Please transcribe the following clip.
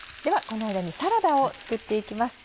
この間にサラダを作って行きます。